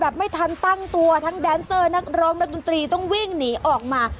ไม่ทันตั้งตัวทั้งแดนเซอร์นักร้องนักดนตรีต้องวิ่งหนีออกมา